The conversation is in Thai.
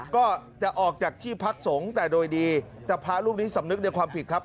ก็จะออกจากที่พักสงฆ์แต่โดยดีแต่พระรูปนี้สำนึกในความผิดครับ